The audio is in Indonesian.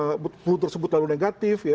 semua clue tersebut lalu negatif ya